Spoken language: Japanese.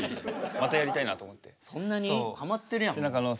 またやりたいなと思っててさ。